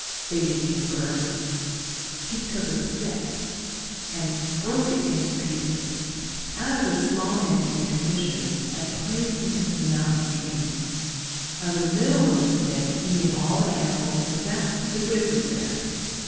They became birds. He took a stick and broke it into pieces. Out of the small end he made fishes and placed them in the mountain streams. Of the middle of the stick, he made all the animals except the grizzly bear.